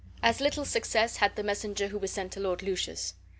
As little success had the messenger who was sent to Lord Lucius.